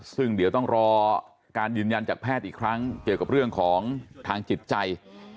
ซึ่งเดี๋ยวต้องรอการยืนยันจากแพทย์อีกครั้งเกี่ยวกับเรื่องของทางจิตใจ